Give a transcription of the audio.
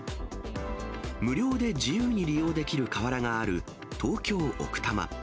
無料で自由に利用できる河原がある東京・奥多摩。